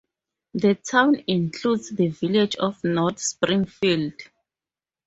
The town includes the village of North Springfield.